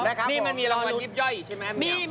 นี่มันมีรางวัลยิบย่อยอีกใช่ไหม